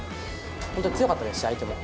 本当に強かったですし、相手も。